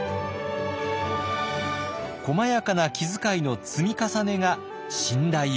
「細やかな気遣いの積み重ねが信頼を生む！」。